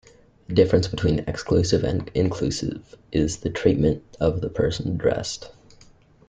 The difference between exclusive and inclusive is the treatment of the person addressed.